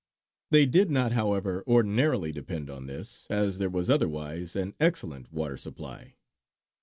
They did not, however, ordinarily depend on this, as there was otherwise an excellent water supply.